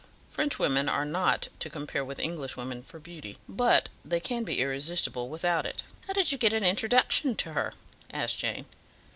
Frenchwomen are not to compare with Englishwomen for beauty, but they can be irresistible without it." "How did you get an introduction to her?" asked Jane.